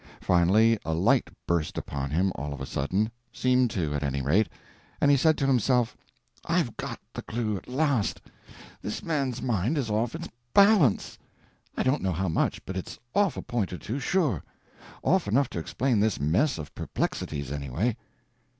Finally a light burst upon him all of a sudden—seemed to, at any rate—and he said to himself, "I've got the clew at last—this man's mind is off its balance; I don't know how much, but it's off a point or two, sure; off enough to explain this mess of perplexities, anyway.